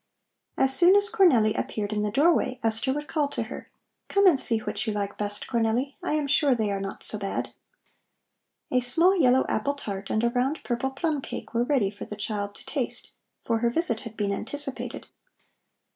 As soon as Cornelli appeared in the doorway, Esther would call to her: "Come and see which you like best, Cornelli; I am sure they are not so bad." A small yellow apple tart and a round purple plum cake were ready for the child to taste, for her visit had been anticipated.